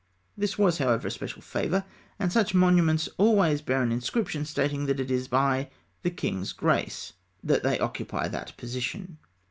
This was, however, a special favour, and such monuments always bear an inscription stating that it is "by the king's grace" that they occupy that position.